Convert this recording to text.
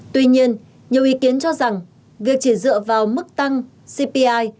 tuy nhiên nhiều ý kiến cho rằng việc chỉ dựa vào mức tăng cpi